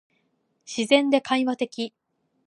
自然で会話的